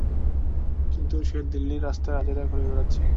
কিন্তু সে দিল্লীর রাস্তায় আজাইরা ঘুরে বেরোচ্ছে।